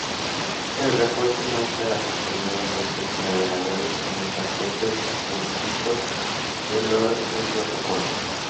El reporte muestra la conformidad de estos navegadores con los aspectos específicos del protocolo.